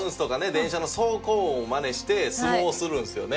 電車の走行音をマネして相撲をするんですよね？